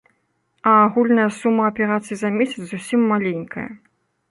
А агульная сума аперацый за месяц зусім маленькая.